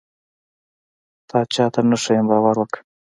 تا چاته نه ښيم باور وکه.